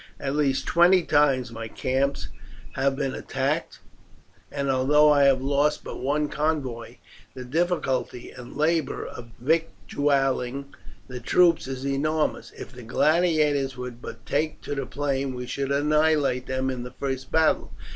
At least twenty times my camps have been attacked; and although I have lost but one convoy, the difficulty and labour of victualling the troops is enormous. If the gladiators would but take to the plain we should annihilate them in the first battle.